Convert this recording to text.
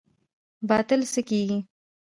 باطل څه کیږي؟